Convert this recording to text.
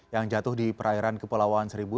yang jatuh di perairan kepulauan seribu